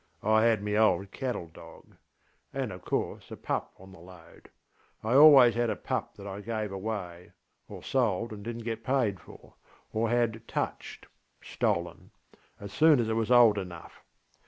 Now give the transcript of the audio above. I had my old cattle dog, and of course a pup on the load ŌĆöI always had a pup that I gave away, or sold and didnŌĆÖt get paid for, or had ŌĆśtouchedŌĆÖ (stolen) as soon as it was old enough.